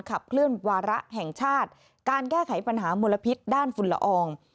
ขับเคลื่อนวาระแห่งชาติการแก้ไขปัญหามลพิษด้านฝุ่นละออง